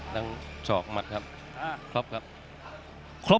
นักมวยจอมคำหวังเว่เลยนะครับ